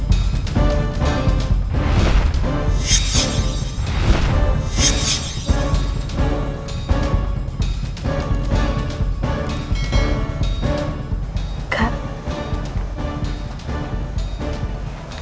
ini aku kak